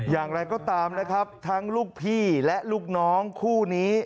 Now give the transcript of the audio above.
อย่างไรก็ตามนะครับทั้งลูกพี่และลูกน้องคู่นี้